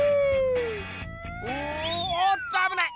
おっとあぶない！